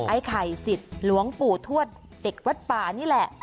ไอ้ไข่สิทธิ์หลวงปู่ทวดเด็กวัดป่านี่แหละ